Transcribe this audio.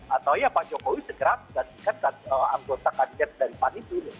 atau ya pak jokowi segera menggantikan anggota kabinet dari pan itu